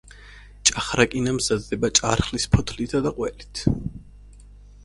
ჭახრაკინა მზადდება ჭარხლის ფოთლითა და ყველით.